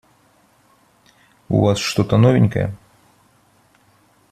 У Вас что-то новенькое?